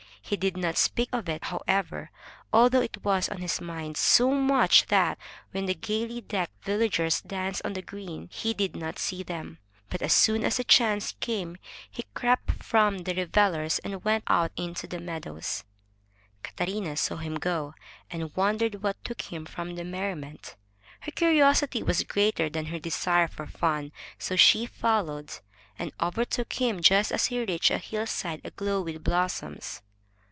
He did not speak of it, however, although it was on his mind so much 278 THE TREASURE CHEST C1^A, /i that, when the gaily decked villagers danced on the green, he did not see them, but, as soon as a chance came, he crept from the revelers and went out into the meadows. Catarina saw him go, and wondered what took him from the merriment. Her curiosity was greater than her desire for fun, so she followed, and overtook him just as he reached a hillside aglow with blossoms.